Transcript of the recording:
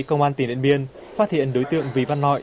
công an tỉnh điện biên phát hiện đối tượng vì văn nội